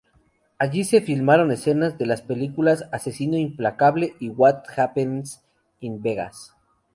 Allí se filmaron escenas de las películas Asesino implacable y What Happens in Vegas.